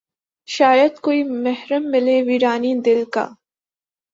شاید کوئی محرم ملے ویرانئ دل کا